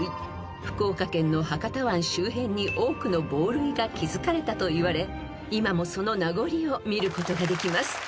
［福岡県の博多湾周辺に多くの防塁が築かれたといわれ今もその名残を見ることができます］